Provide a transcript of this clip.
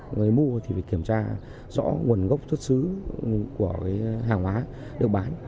người mua thì phải kiểm tra rõ nguồn gốc xuất xứ của hàng hóa được bán